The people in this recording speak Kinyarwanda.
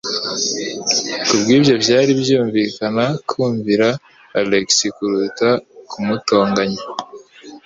Kubwibyo, byari byumvikana kumvira Alex kuruta kumutonganya.